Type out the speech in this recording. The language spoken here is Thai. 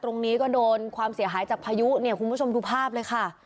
ตรงนี้ก็โดนความเสียหายจากพายุเนี่ยคุณผู้ชมดูภาพเลยค่ะ